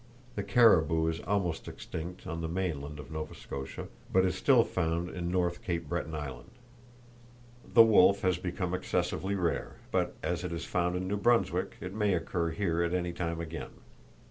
The caribou is almost extinct on the mainland of Nova Scotia, but is still found in North Cape Breton Island. The wolf has become excessively rare, but as it is found in New Brunswick, it may occur here at any time again.